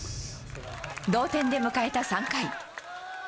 同点で迎えた３回。